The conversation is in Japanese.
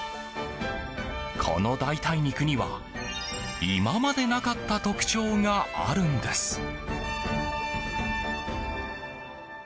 この代替肉には、今までなかった特徴があるんです。